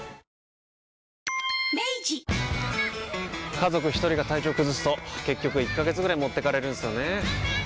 家族一人が体調崩すと結局１ヶ月ぐらい持ってかれるんすよねー。